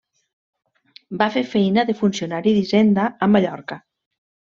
Va fer feina de funcionari d'hisenda a Mallorca.